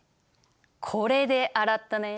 これで洗ったね？